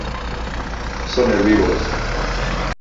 Son herbívoros.